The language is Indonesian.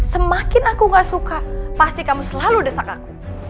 semakin aku gak suka pasti kamu selalu desak aku